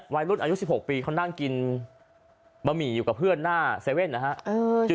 วัยรุ่นอายุ๑๖ปีเขานั่งกินบะหมี่อยู่กับเพื่อนหน้า๗๑๑นะฮะ